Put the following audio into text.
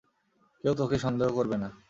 কেউ তোকে সন্দেহ করবে না।